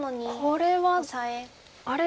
これはあれ？